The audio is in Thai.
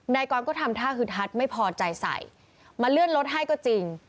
นายกรก็ทำท่าฮึดฮัดไม่พอใจใส่มาเลื่อนรถให้ก็จริง